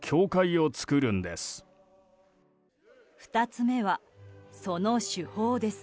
２つ目は、その手法です。